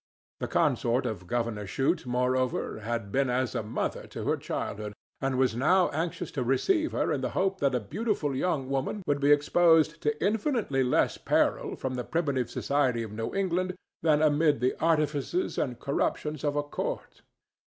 The consort of Governor Shute, moreover, had been as a mother to her childhood, and was now anxious to receive her in the hope that a beautiful young woman would be exposed to infinitely less peril from the primitive society of New England than amid the artifices and corruptions of a court.